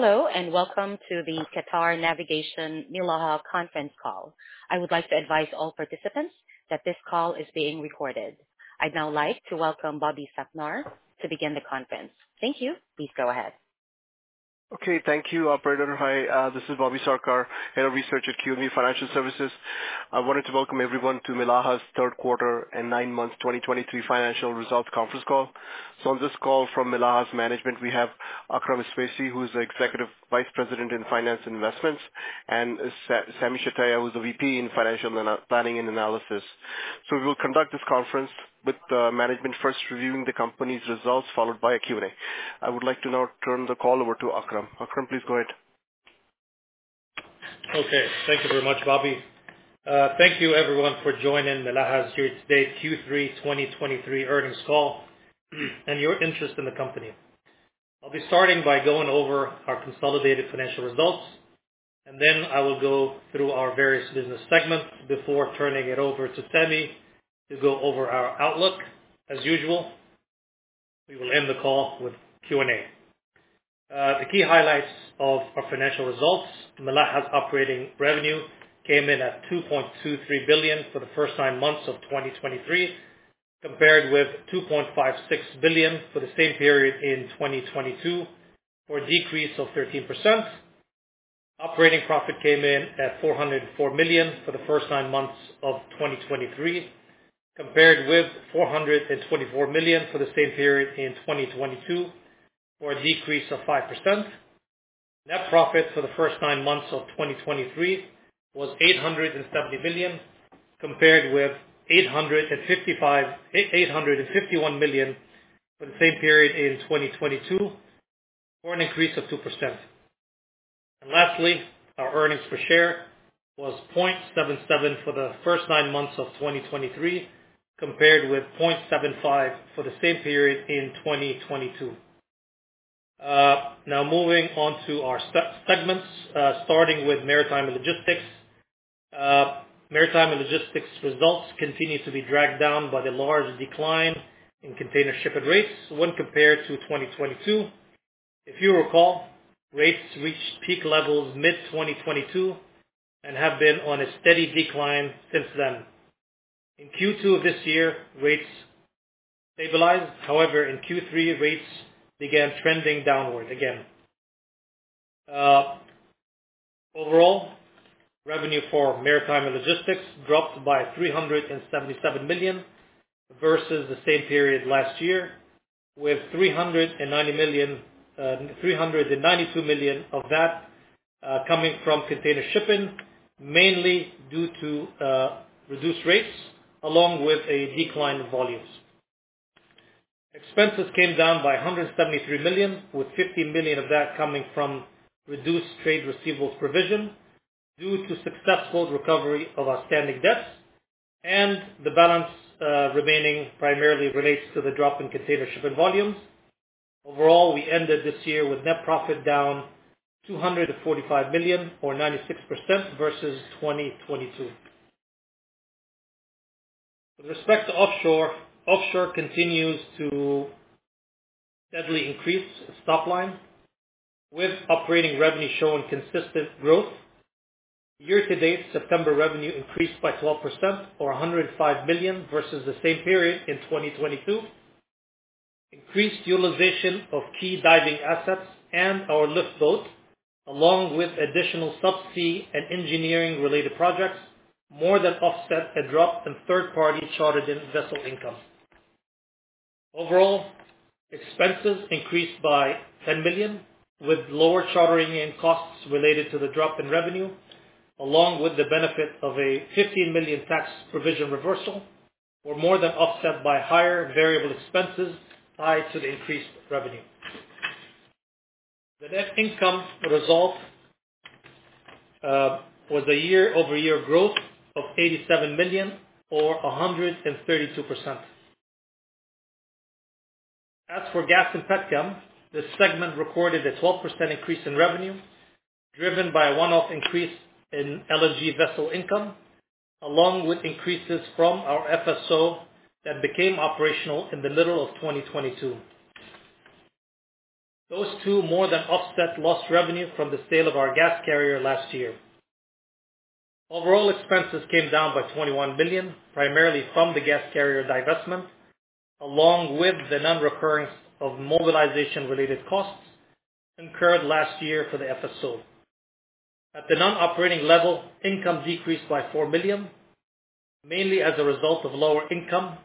Hello, and welcome to the Qatar Navigation Milaha conference call. I would like to advise all participants that this call is being recorded. I'd now like to welcome Bobby Sarkar to begin the conference. Thank you. Please go ahead. Okay. Thank you, operator. Hi. This is Bobby Sarkar, Head of Research at QNB Financial Services. I wanted to welcome everyone to Milaha's third quarter and nine months 2023 financial results conference call. On this call from Milaha's management, we have Akram Iswaisi, who is the Executive Vice President, Finance and Investments, and Sami Shtayyeh, who's the Vice President, Financial Planning and Analysis. We will conduct this conference with the management first reviewing the company's results, followed by a Q&A. I would like to now turn the call over to Akram. Akram, please go ahead. Okay. Thank you very much, Bobby. Thank you everyone for joining Milaha's Q3 2023 earnings call and for your interest in the company. I'll be starting by going over our consolidated financial results, and then I will go through our various business segments before turning it over to Sami to go over our outlook as usual. We will end the call with Q&A. The key highlights of our financial results. Milaha's operating revenue came in at 2.23 billion for the first nine months of 2023, compared with 2.56 billion for the same period in 2022, or a decrease of 13%. Operating profit came in at QAR 404 million for the first nine months of 2023, compared with QAR 424 million for the same period in 2022, or a decrease of 5%. Net profit for the first nine months of 2023 was 870 million, compared with 851 million for the same period in 2022, or an increase of 2%. Lastly, our earnings per share was 0.77 for the first nine months of 2023, compared with 0.75 for the same period in 2022. Now moving on to our segments, starting with Maritime and Logistics. Maritime and Logistics results continue to be dragged down by the large decline in container shipping rates when compared to 2022. If you recall, rates reached peak levels mid-2022 and have been on a steady decline since then. In Q2 of this year, rates stabilized, however, in Q3, rates began trending downward again. Overall, revenue for Maritime and Logistics dropped by 377 million versus the same period last year, with 392 million of that coming from container shipping, mainly due to reduced rates along with a decline in volumes. Expenses came down by 173 million, with 50 million of that coming from reduced trade receivables provision due to successful recovery of outstanding debts, and the balance remaining primarily relates to the drop in container shipping volumes. Overall, we ended this year with net profit down 245 million or 96% versus 2022. With respect to Offshore continues to steadily increase its top line. With operating revenue showing consistent growth. Year to date, September revenue increased by 12% or 105 million versus the same period in 2022. Increased utilization of key diving assets and our lift boats, along with additional subsea and engineering-related projects, more than offset a drop in third-party chartered in vessel income. Overall, expenses increased by 10 million, with lower chartering and costs related to the drop in revenue, along with the benefit of a 15 million tax provision reversal, were more than offset by higher variable expenses tied to the increased revenue. The net income result was a year-over-year growth of 87 million or 132%. As for Gas and Petrochem, this segment recorded a 12% increase in revenue driven by a one-off increase in LNG vessel income, along with increases from our FSO that became operational in the middle of 2022. Those two more than offset lost revenue from the sale of our gas carrier last year. Overall expenses came down by 21 million, primarily from the gas carrier divestment, along with the non-recurrence of mobilization related costs incurred last year for the FSO. At the non-operating level, income decreased by 4 million, mainly as a result of lower income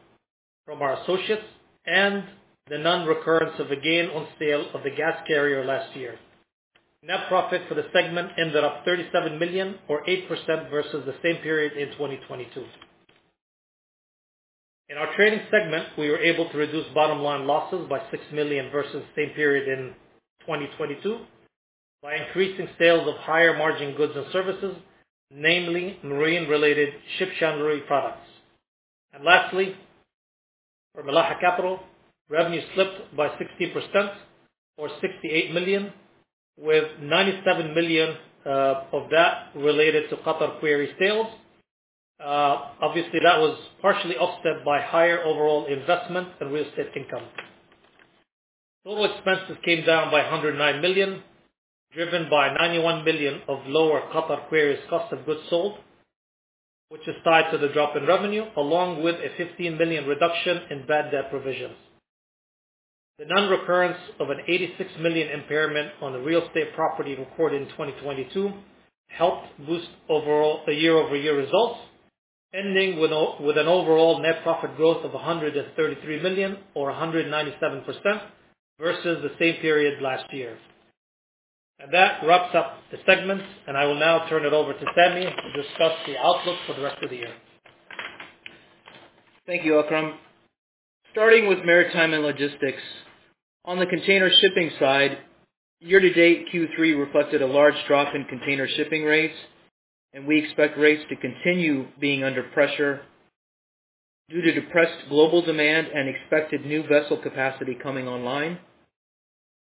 from our associates and the non-recurrence of a gain on sale of the gas carrier last year. Net profit for the segment ended up 37 million or 8% versus the same period in 2022. In our trading segment, we were able to reduce bottom-line losses by 6 million versus the same period in 2022 by increasing sales of higher margin goods and services, namely marine-related ship chandlery products. Lastly, for Milaha Capital, revenue slipped by 60% or 68 million, with 97 million of that related to Qatar Quarries sales. Obviously, that was partially offset by higher overall investment and real estate income. Total expenses came down by 109 million, driven by 91 million of lower Qatar Quarries cost of goods sold, which is tied to the drop in revenue, along with a 15 million reduction in bad debt provisions. The non-recurrence of an 86 million impairment on real estate property recorded in 2022 helped boost overall year-over-year results, ending with an overall net profit growth of 133 million, or 197%, versus the same period last year. That wraps up the segments, and I will now turn it over to Sami to discuss the outlook for the rest of the year. Thank you, Akram Iswaisi. Starting with Maritime and Logistics. On the container shipping side, year-to-date Q3 reflected a large drop in container shipping rates, and we expect rates to continue being under pressure due to depressed global demand and expected new vessel capacity coming online.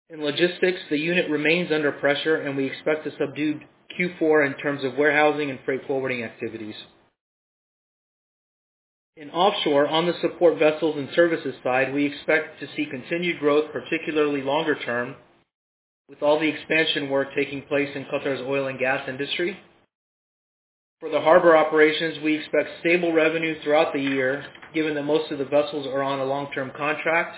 In logistics, the unit remains under pressure, and we expect a subdued Q4 in terms of warehousing and freight forwarding activities. In Offshore, on the support vessels and services side, we expect to see continued growth, particularly longer term, with all the expansion work taking place in Qatar's oil and gas industry. For the harbor operations, we expect stable revenue throughout the year, given that most of the vessels are on a long-term contract.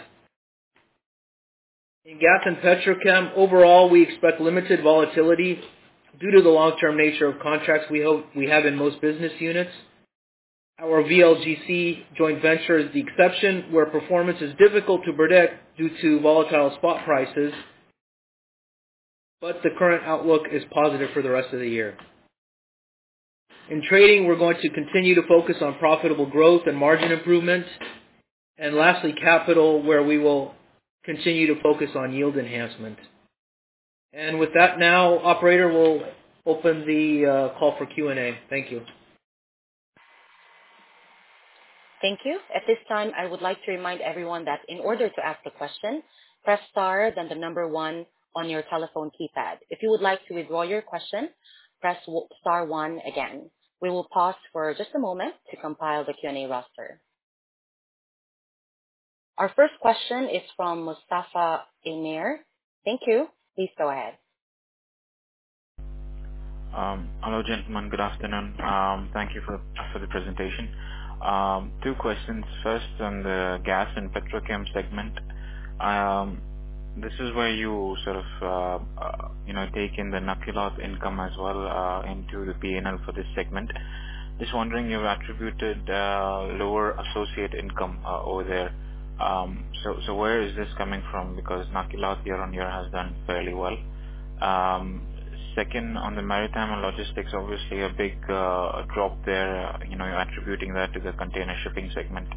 In Gas and Petrochem, overall, we expect limited volatility due to the long-term nature of contracts we have in most business units. Our VLGC joint venture is the exception, where performance is difficult to predict due to volatile spot prices. The current outlook is positive for the rest of the year. In trading, we're going to continue to focus on profitable growth and margin improvements. Lastly, capital, where we will continue to focus on yield enhancement. With that now, operator, we'll open the call for Q&A. Thank you. Thank you. At this time, I would like to remind everyone that in order to ask a question, press star then the number one on your telephone keypad. If you would like to withdraw your question, press star one again. We will pause for just a moment to compile the Q&A roster. Our first question is from Mustafa Omer. Thank you. Please go ahead. Hello, gentlemen. Good afternoon. Thank you for the presentation. Two questions. First, on the Gas & Petrochem segment. This is where you take in the Nakilat income as well into the P&L for this segment. Just wondering, you've attributed lower associate income over there. Where is this coming from? Because Nakilat year-on-year has done fairly well. Second, on the Maritime & Logistics, obviously a big drop there. You're attributing that to the container shipping segment.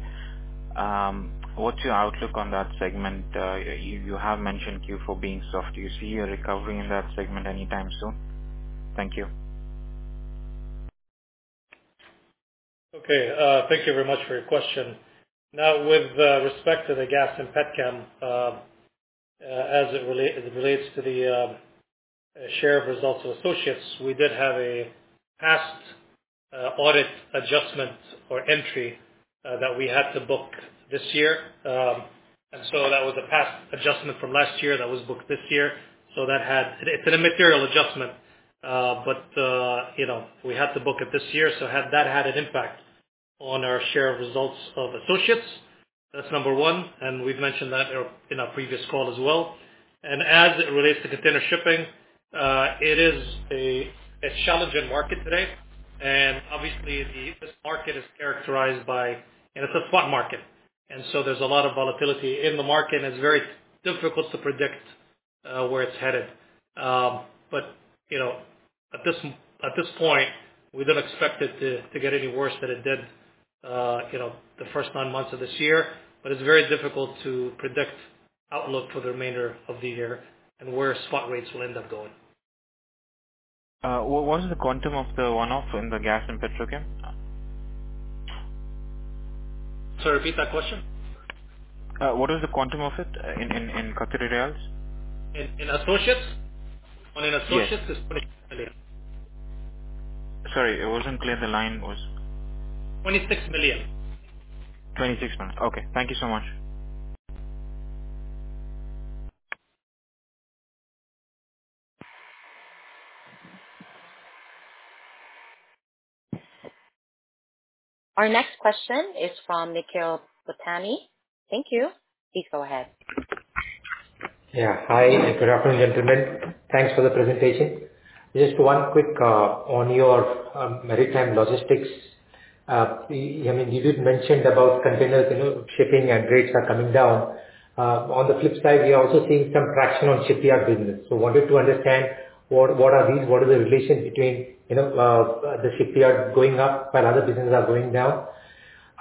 What's your outlook on that segment? You have mentioned Q4 being soft. Do you see a recovery in that segment anytime soon? Thank you. Okay. Thank you very much for your question. Now with respect to the Gas and Petrochem, as it relates to the share of results of associates, we did have a past audit adjustment or entry that we had to book this year. That was a past adjustment from last year that was booked this year. It's been a material adjustment, but we had to book it this year. That had an impact on our share of results of associates. That's number one, and we've mentioned that in our previous call as well. As it relates to container shipping, it is a challenging market today. Obviously this market is characterized by, it's a spot market. There's a lot of volatility in the market, and it's very difficult to predict where it's headed. At this point, we don't expect it to get any worse than it did the first nine months of this year. It's very difficult to predict outlook for the remainder of the year and where spot rates will end up going. What was the quantum of the one-off in the Gas and Petrochem? Sorry, repeat that question. What is the quantum of it in Qatar riyals? In associates? Yes. Well, in associates, it's 26 million. Sorry, it wasn't clear. The line was. 26 million. 26 million. Okay. Thank you so much. Our next question is from Nikhil Phutane. Thank you. Please go ahead. Yeah. Hi, and good afternoon, gentlemen. Thanks for the presentation. Just one quick on your maritime logistics. You did mention about containers, shipping and rates are coming down. On the flip side, we are also seeing some traction on shipyard business. Wanted to understand what are the relations between the shipyard going up while other businesses are going down.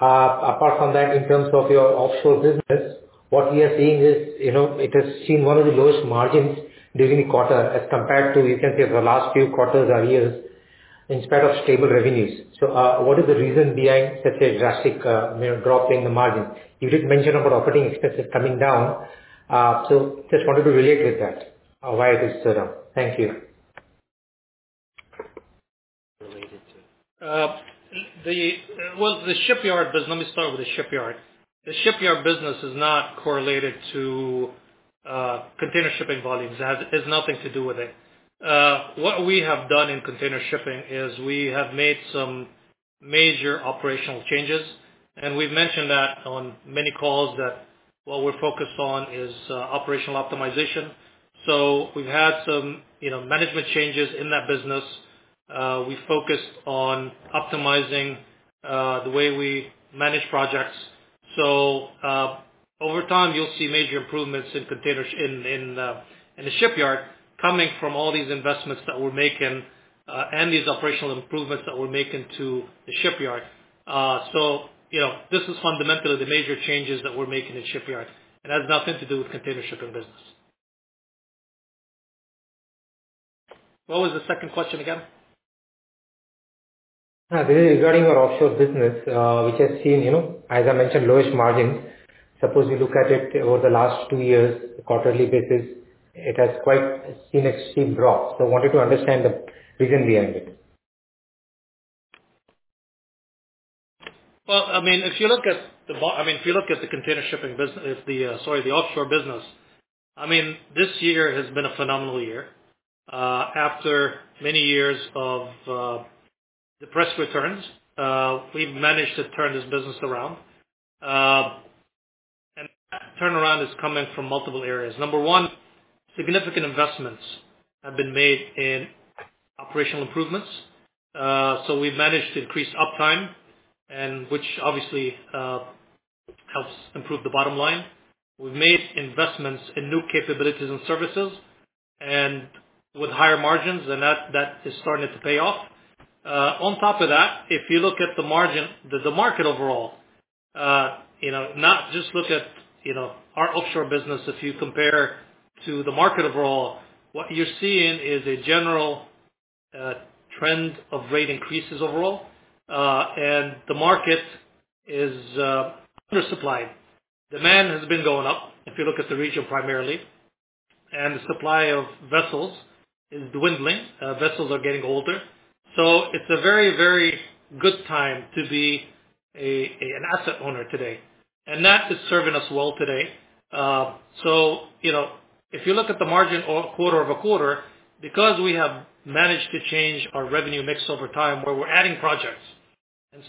Apart from that, in terms of your offshore business, what we are seeing is it has seen one of the lowest margins during the quarter as compared to, you can say, the last few quarters or years, in spite of stable revenues. What is the reason behind such a drastic drop in the margin? You did mention about operating expenses coming down. Just wanted to relate with that, why it is so down. Thank you. Well, the shipyard business, let me start with the shipyard. The shipyard business is not correlated to container shipping volumes. It has nothing to do with it. What we have done in container shipping is we have made some major operational changes, and we've mentioned that on many calls that what we're focused on is operational optimization. We've had some management changes in that business. We've focused on optimizing the way we manage projects. Over time, you'll see major improvements in the shipyard coming from all these investments that we're making and these operational improvements that we're making to the shipyard. This is fundamentally the major changes that we're making in shipyard. It has nothing to do with container shipping business. What was the second question again? Regarding our Offshore business, which has seen, as I mentioned, lowest margin. Suppose we look at it over the last two years, quarterly basis, it has quite seen a steep drop. Wanted to understand the reason behind it. Well, if you look at the offshore business, this year has been a phenomenal year. After many years of depressed returns, we've managed to turn this business around. That turnaround is coming from multiple areas. Number one, significant investments have been made in operational improvements. We've managed to increase uptime, and which obviously helps improve the bottom line. We've made investments in new capabilities and services, and with higher margins, and that is starting to pay off. On top of that, if you look at the market overall, not just look at our offshore business, if you compare to the market overall, what you're seeing is a general trend of rate increases overall. The market is undersupplied. Demand has been going up, if you look at the region primarily, and the supply of vessels is dwindling. Vessels are getting older. It's a very good time to be an asset owner today, and that is serving us well today. If you look at the margin quarter-over-quarter, because we have managed to change our revenue mix over time, where we're adding projects.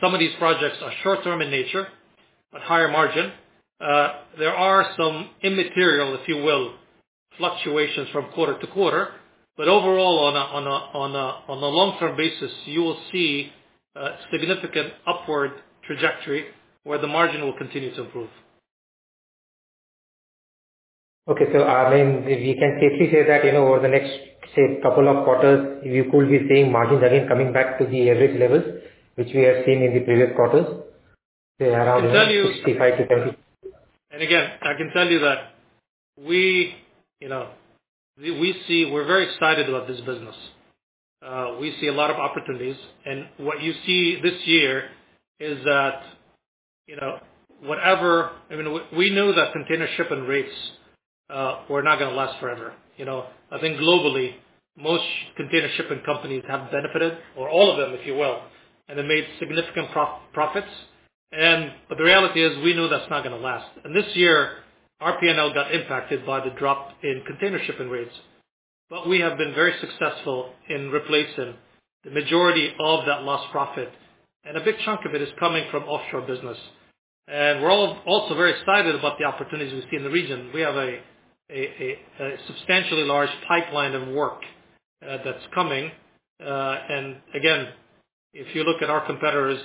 Some of these projects are short-term in nature, but higher margin. There are some immaterial, if you will, fluctuations from quarter to quarter. Overall, on a long-term basis, you will see a significant upward trajectory where the margin will continue to improve. Okay. We can safely say that, over the next, say, couple of quarters, we could be seeing margins again coming back to the average levels which we have seen in the previous quarters, say around 65%-70%? Again, I can tell you that we're very excited about this business. We see a lot of opportunities. What you see this year is that, we know that container shipping rates were not going to last forever. I think globally, most container shipping companies have benefited, or all of them, if you will, and have made significant profits. The reality is, we know that's not going to last. This year, our P&L got impacted by the drop in container shipping rates. We have been very successful in replacing the majority of that lost profit, and a big chunk of it is coming from offshore business. We're also very excited about the opportunities we see in the region. We have a substantially large pipeline of work that's coming. Again, if you look at our competitors,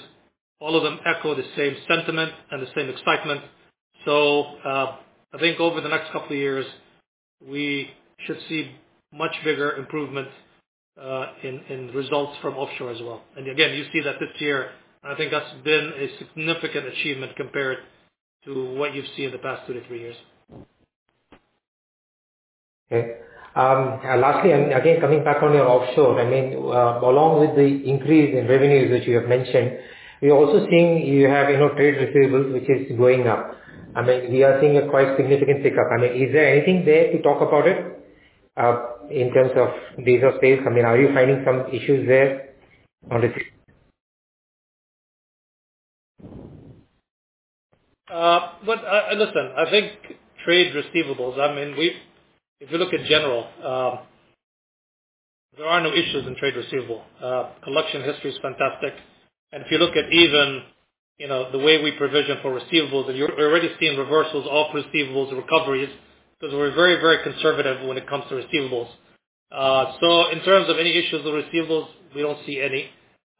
all of them echo the same sentiment and the same excitement. I think over the next couple of years, we should see much bigger improvements in results from offshore as well. Again, you see that this year, and I think that's been a significant achievement compared to what you've seen in the past 2 years-3 years. Okay. Lastly, and again, coming back on your Offshore, along with the increase in revenues that you have mentioned, we are also seeing you have trade receivables, which is going up. We are seeing quite a significant pickup. Is there anything there to talk about in terms of days of sales? Are you finding some issues there on the? Listen, I think trade receivables, if you look in general, there are no issues in trade receivable. Collection history is fantastic. If you look at even the way we provision for receivables, and you're already seeing reversals of receivables and recoveries, because we're very conservative when it comes to receivables. In terms of any issues with receivables, we don't see any.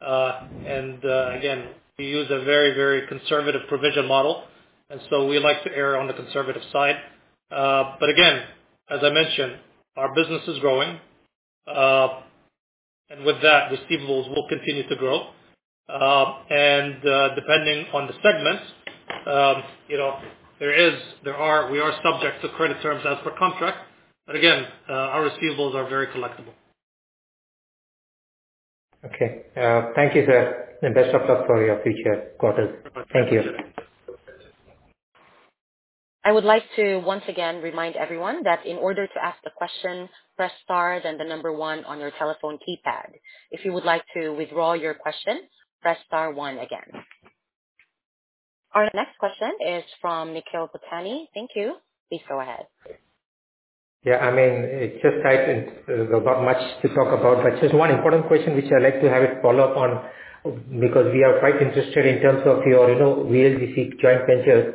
Again, we use a very conservative provision model, and so we like to err on the conservative side. Again, as I mentioned, our business is growing. With that, receivables will continue to grow. Depending on the segment, we are subject to credit terms as per contract. Again, our receivables are very collectible. Okay. Thank you, sir. Best of luck for your future quarters. Thank you. I would like to once again remind everyone that in order to ask the question, press star then the number one on your telephone keypad. If you would like to withdraw your question, press star one again. Our next question is from Nikhil Phutane. Thank you. Please go ahead. Yeah, it's just tight and there's not much to talk about, but just one important question which I'd like to have a follow-up on, because we are quite interested in terms of your VLGC joint ventures,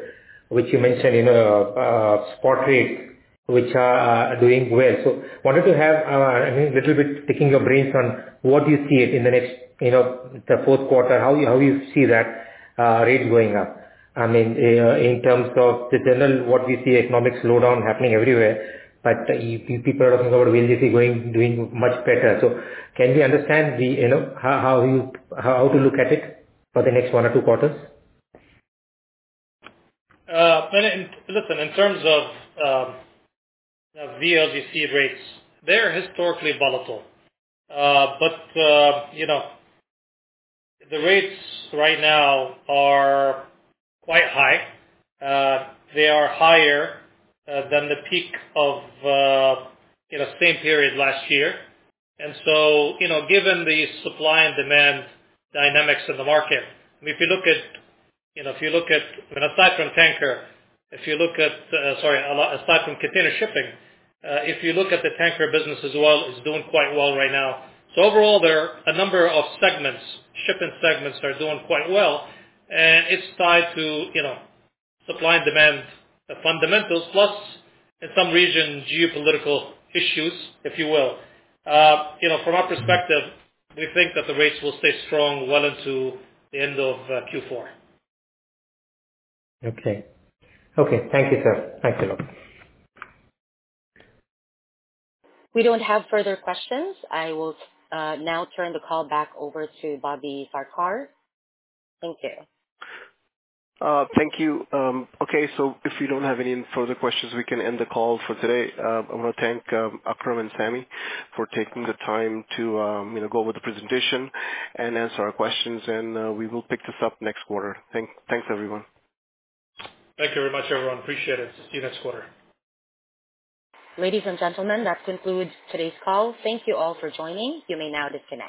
which you mentioned in a spot rate, which are doing well. Wanted to have a little bit, picking your brains on what you see in the next fourth quarter, how you see that rate going up. In terms of the general, what we see, economic slowdown happening everywhere, but people are talking about VLGC doing much better. Can we understand how to look at it for the next one or two quarters? Listen, in terms of VLGC rates, they're historically volatile. The rates right now are quite high. They are higher than the peak of same period last year. Given the supply and demand dynamics in the market, aside from container shipping, if you look at the tanker business as well, it's doing quite well right now. Overall, there are a number of shipping segments that are doing quite well. It's tied to supply and demand fundamentals plus, in some regions, geopolitical issues, if you will. From our perspective, we think that the rates will stay strong well into the end of Q4. Okay. Thank you, sir. Thanks a lot. We don't have further questions. I will now turn the call back over to Bobby Sarkar. Thank you. Thank you. Okay, so if you don't have any further questions, we can end the call for today. I want to thank Akram and Sami for taking the time to go over the presentation and answer our questions, and we will pick this up next quarter. Thanks, everyone. Thank you very much, everyone. Appreciate it. See you next quarter. Ladies and gentlemen, that concludes today's call. Thank you all for joining. You may now disconnect.